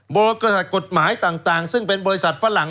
บริษัทกฎหมายต่างซึ่งเป็นบริษัทฝรั่ง